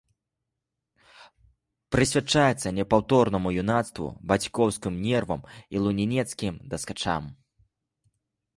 Прысвячаецца непаўторнаму юнацтву, бацькоўскім нервам і лунінецкім дыскачам!